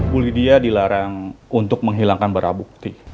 bu lydia dilarang untuk menghilangkan barang bukti